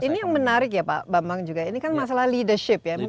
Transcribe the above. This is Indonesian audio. ini yang menarik ya pak bambang juga ini kan masalah leadership ya